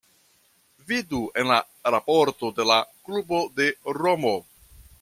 Vidu en raporto de la klubo de Romo.